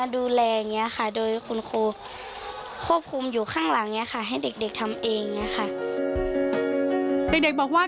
เด็กบอกว่า